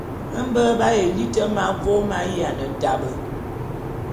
Mbé b'aye liti ma vôm m'ayiane tabe.